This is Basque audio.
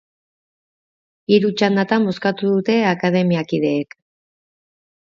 Hiru txandatan bozkatu dute akademiakideek.